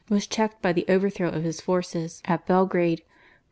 was checked by the overthrow of his forces at Belgrade (1456).